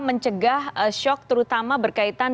mencegah shock terutama berkaitan